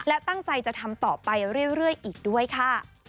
และตั้งใจจะทำต่อไปเรื่อยอีกด้วยค่ะ